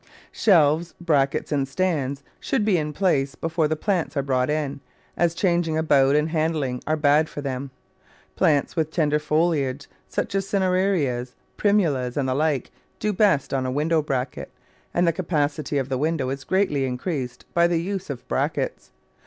Shelves, brackets, and stands should be in place be fore the plants are brought in, as changing about and handling are bad for them. Plants with tender fo liage, as Cinerarias, Primulas, and the like, do best on a window bracket, and the capacity of the window is greatly increased by the use of brackets.